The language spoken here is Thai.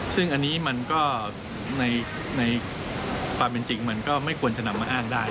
ซึ่งอันนี้มันก็ในความเป็นจริงมันก็ไม่ควรจะนำมาอ้างได้